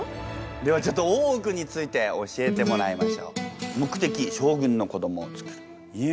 ではちょっと大奥について教えてもらいましょう。